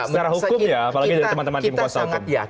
secara hukum ya apalagi dari teman teman di kuasa